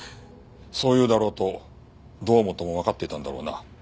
そう言うだろうと堂本もわかっていたんだろうな。